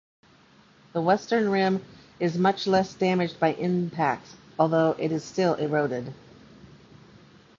The western rim is much less damaged by impacts, although it is still eroded.